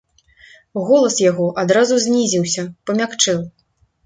Голас яго адразу знізіўся, памякчэў.